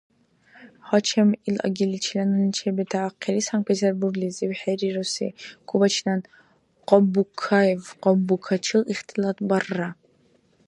Гьачам ил агиличила нуни чебетаахъили Санкт-Петербурглизив хӀерируси кубачилан Къабуккаев Къабуккачил ихтилатбарра.